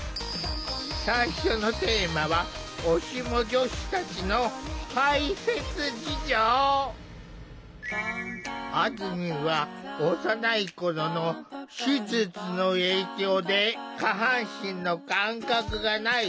最初のテーマはおシモ女子たちのあずみんは幼い頃の手術の影響で下半身の感覚がない。